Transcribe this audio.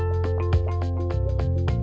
pemerintah kabupaten kulungan